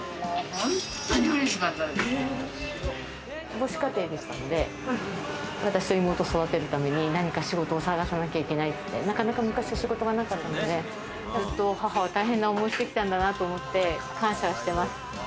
母子家庭でしたので、私と妹を育てるために何か仕事を探さなきゃいけないって、なかなか昔は仕事がなかったんで、ずっと母は大変な思いしてきたんだなと思って、感謝してます。